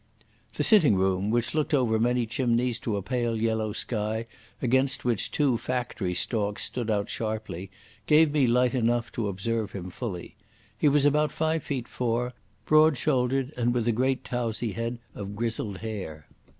The sitting room, which looked over many chimneys to a pale yellow sky against which two factory stalks stood out sharply, gave me light enough to observe him fully. He was about five feet four, broad shouldered, and with a great towsy head of grizzled hair.